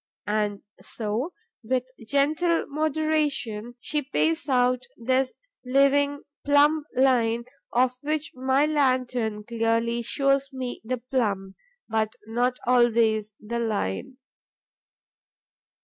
And so, with gentle moderation she pays out this living plumb line, of which my lantern clearly shows me the plumb, but not always the line.